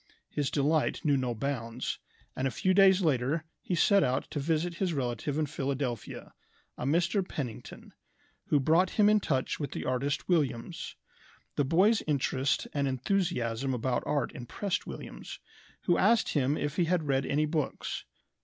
His delight knew no bounds, and a few days later he set out to visit his relative in Philadelphia, a Mr. Pennington, who brought him in touch with the artist Williams. The boy's interest and enthusiasm about art impressed Williams, who asked him if he had read any books.